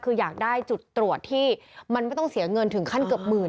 คืออยากได้จุดตรวจที่มันไม่ต้องเสียเงินถึงขั้นเกือบหมื่น